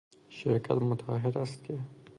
شرکت متعهد است که...